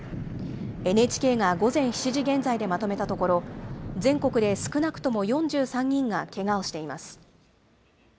ＮＨＫが午前７時現在でまとめたところ、全国で少なくとも４３人がけがをしています。